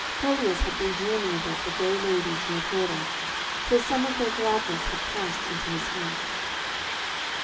Pelleas had been dreaming about the gay ladies he had heard of, till some of their gladness had passed into his face.